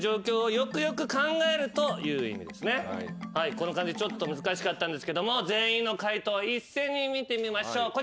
この漢字ちょっと難しかったんですけども全員の解答一斉に見てみましょうこちら！